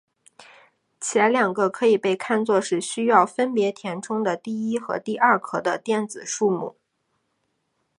前两个可以被看作是需要分别填充的第一和第二壳的电子数目。